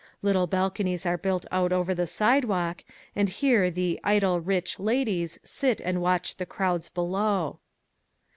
Little balconies are built out over the sidewalk and here the "idle rich" ladies sit and watch the crowds below.